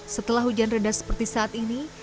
setelah hujan rendah seperti saat ini